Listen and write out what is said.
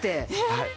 はい。